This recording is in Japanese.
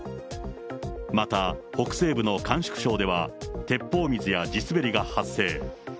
また、北西部の甘粛省では、鉄砲水や地滑りが発生。